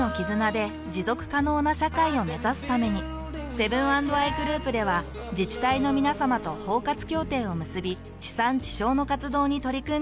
セブン＆アイグループでは自治体のみなさまと包括協定を結び地産地消の活動に取り組んでいます。